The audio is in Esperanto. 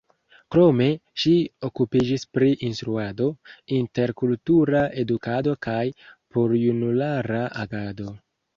Krome ŝi okupiĝis pri instruado, interkultura edukado kaj porjunulara agado.